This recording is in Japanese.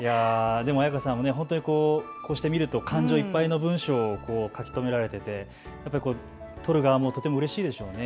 彩花さんも本当にこうして見ると感情いっぱいの文章を書き留められていて撮る側もとてもうれしいでしょうね。